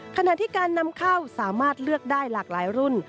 ขณะที่การนำเข้าสามารถเลือกได้หลากหลายรุ่น